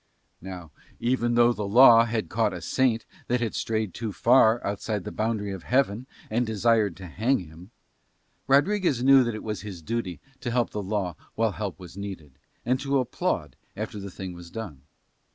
Now even though the law had caught a saint that had strayed too far outside the boundary of Heaven, and desired to hang him, Rodriguez knew that it was his duty to help the law while help was needed, and to applaud after the thing was done.